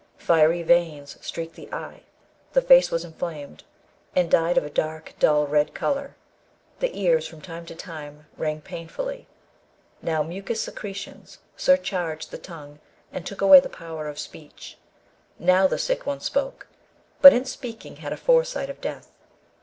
Fiery veins streaked the eye; the face was inflamed, and dyed of a dark dull red colour; the ears from time to time rang painfully. Now mucous secretions surcharged the tongue, and took away the power of speech; now the sick one spoke, but in speaking had a foresight of death.